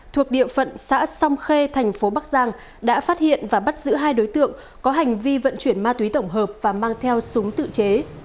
thuộc địa phận xã song khê thành phố bắc giang đã phát hiện và bắt giữ hai đối tượng có hành vi vận chuyển ma túy tổng hợp và mang theo súng tự chế